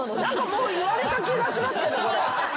もう言われた気がしますけど。